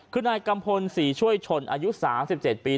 คือนายกัมพลศรีช่วยชนอายุ๓๗ปี